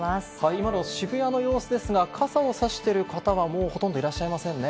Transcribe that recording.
今の渋谷の様子ですが傘をさしてる方はもう、ほとんどいらっしゃいませんね。